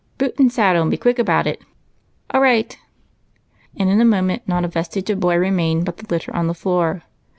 Boot and saddle, and be quick about it." " All rio ht !" And in a moment not a vestiere of boy remained but the litter on the floor.